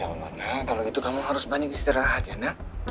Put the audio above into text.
ya allah nak kalau gitu kamu harus banyak istirahat ya nak